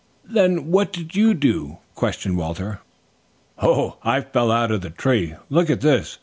"Then what did you do?" questioned Walter. "Oh, I fell out of the tree. Look at this!"